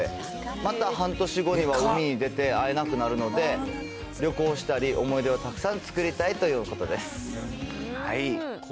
また半年後には海に出て会えなくなるので、旅行したり、思い出をたくさん作りたいということです。